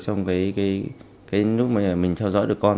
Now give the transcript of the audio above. trong cái lúc mà mình theo dõi được con